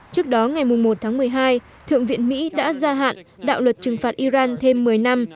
trước đó ngày một tháng một mươi hai thượng viện mỹ đã gia hạn đạo luật trừng phạt iran thêm một mươi năm